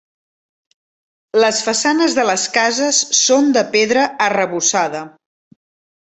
Les façanes de les cases són de pedra arrebossada.